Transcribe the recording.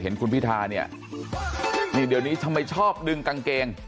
เห็นคุณพิธาเนี่ยนี่เดี๋ยวนี้ทำไมชอบดึงกางเกง